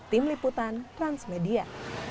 tim liputan transmedia